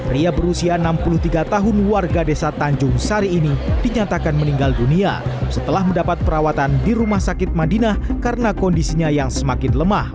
ria berusia enam puluh tiga tahun warga desa tanjung sari ini dinyatakan meninggal dunia setelah mendapat perawatan di rumah sakit madinah karena kondisinya yang semakin lemah